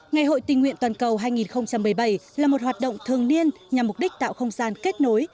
ngày hội tình nguyện toàn cầu hai nghìn một mươi bảy là một hoạt động thường niên nhằm mục đích tạo không gian kết nối